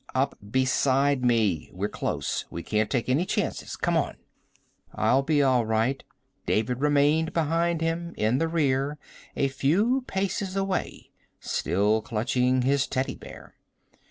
"Up beside me! We're close. We can't take any chances. Come on." "I'll be all right." David remained behind him, in the rear, a few paces away, still clutching his teddy bear.